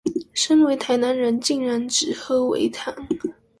身為台南人竟然只喝微糖